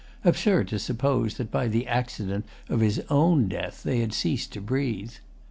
Absurd to suppose that by the accident of his own death they had ceased to breathe....